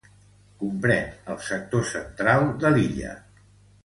Comprén el sector central de l'illa.